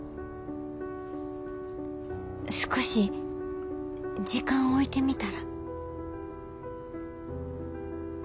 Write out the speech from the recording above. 少し時間置いてみたら？